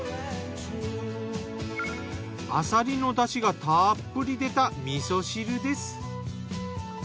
アサリのだしがたっぷり出た味噌汁です。